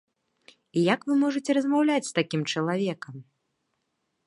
І як вы можаце размаўляць з такім чалавекам?